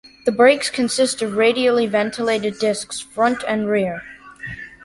The brakes consist of radially ventilated discs front and rear.